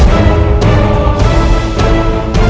tidak bisa mengenali